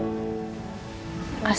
aku cintamu dengan hati hati